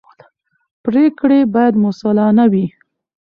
پرېکړې باید مسوولانه وي